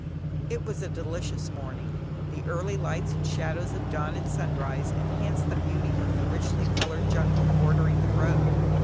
It was a delicious morning; the early lights and shadows of dawn and sunrise enhanced the beauty of the richly coloured jungle bordering the road.